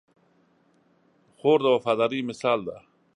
خور د وفادارۍ مثال ده.